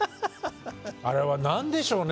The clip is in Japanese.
あれは何でしょうね。